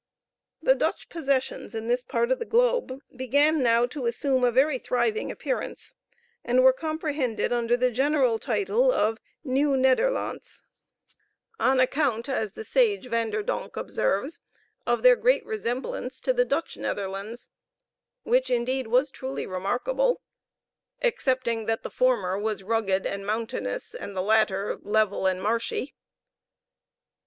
The Dutch possessions in this part of the globe began now to assume a very thriving appearance, and were comprehended under the general title of Nieuw Nederlandts, on account, as the sage Vander Donck observes, of their great resemblance to the Dutch Netherlands, which indeed was truly remarkable, excepting that the former was rugged and mountainous, and the latter level and marshy.